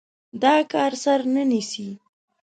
دا کار سر نه نيسي.